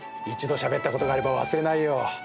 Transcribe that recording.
一度しゃべったことがあれば、忘れないよ。